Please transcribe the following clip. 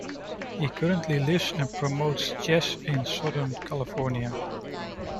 He currently lives and promotes chess in Southern California.